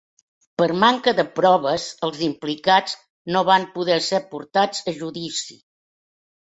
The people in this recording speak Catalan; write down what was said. Per manca de proves els implicats no van poder ser portats a judici.